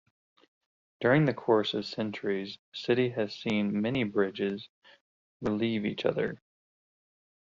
During the course of centuries, the city has seen many bridges relieve each other.